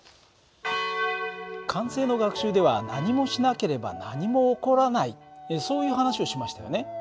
慣性の学習では何もしなければ何も起こらないそういう話をしましたよね。